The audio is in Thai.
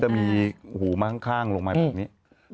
จะมีหูมาข้างลงมาแบบนี้